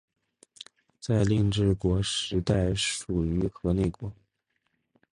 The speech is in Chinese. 在令制国时代属于河内国。